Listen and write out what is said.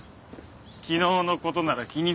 昨日のことなら気にすんな。